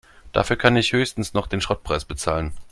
Dafür kann ich höchstens noch den Schrottpreis bezahlen.